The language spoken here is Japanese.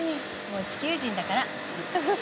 もう地球人だから。